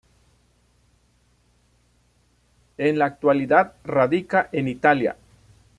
En la actualidad radica en Italia.